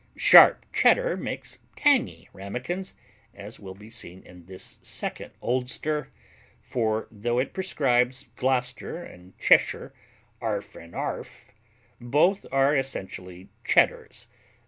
Sharp Cheddar makes tangy Ramekins, as will be seen in this second oldster; for though it prescribes Gloucester and Cheshire "'arf and 'arf," both are essentially Cheddars.